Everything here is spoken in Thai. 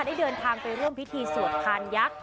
ได้เดินทางไปร่วมพิธีสวดพานยักษ์